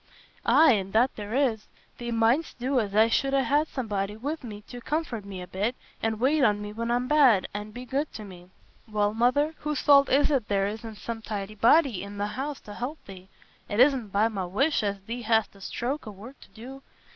"Aye, an' that there is. Thee might'st do as I should ha' somebody wi' me to comfort me a bit, an' wait on me when I'm bad, an' be good to me." "Well, Mother, whose fault is it there isna some tidy body i' th' house t' help thee? It isna by my wish as thee hast a stroke o' work to do.